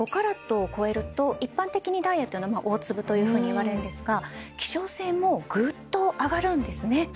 ０．５ｃｔを超えると一般的にダイヤっていうのは大粒というふうにいわれるんですが希少性もぐっと上がるんですね